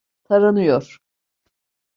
Taranıyor.